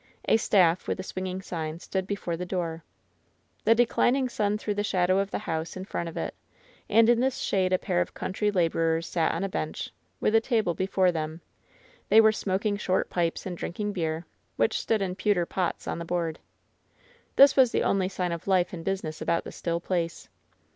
A staff, with a swinging sign, stood before the door. The declining sun threw the shadow of the house in front of it ; and in this shade a pair of country laborers sat on a bench, with a table before them. They were smoking short pipes and drinking beer, which stood in pewter pots on the board. This was the only sign of life and business about the still place.